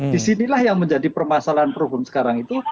disinilah yang menjadi permasalahan problem sekarang itu